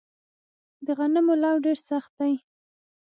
د غنمو لوو ډیر سخت دی